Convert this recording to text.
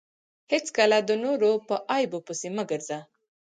هېڅکله د نورو په عیبو پيسي مه ګرځه!